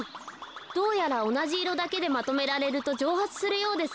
どうやらおなじいろだけでまとめられるとじょうはつするようですね。